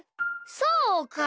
そうか！